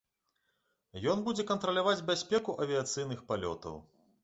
Ён будзе кантраляваць бяспеку авіяцыйных палётаў.